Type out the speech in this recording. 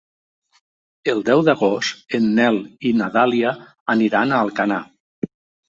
El deu d'agost en Nel i na Dàlia aniran a Alcanar.